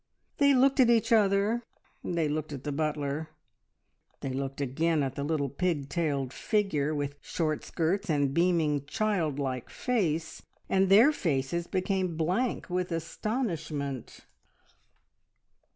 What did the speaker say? They looked at each other, they looked at the butler, they looked again at the little pig tailed figure, with short skirts and beaming, childlike face, and their faces became blank with astonishment.